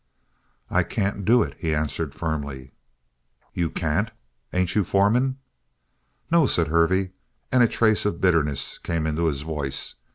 "I can't do it," he answered firmly. "You can't? Ain't you foreman?" "No," said Hervey, and a trace of bitterness came into his voice.